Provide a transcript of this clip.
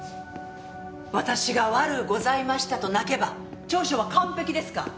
「私が悪うございました」と泣けば調書は完璧ですか？